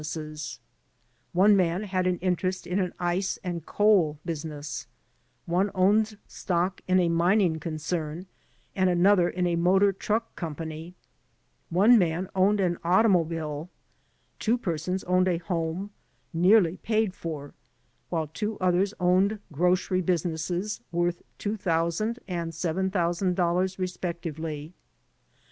22 THE DEPORTATION CASES One man had an interest in an ice and coal business ; one owned stock in a mining concern and another in a motor truck company. One man owned an automobile, twro persons owned a home, nearly paid for, while two others owned grocery businesses worth $2,000 and $7,000 re spectively.